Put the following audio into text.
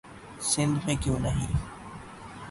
سندھ میں کیوں نہیں؟